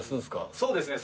そうですね